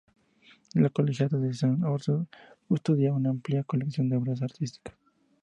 La colegiata de San Orso custodia una amplia colección de obras artísticas.